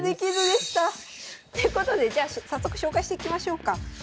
難しすぎる。ということでじゃあ早速紹介していきましょうか。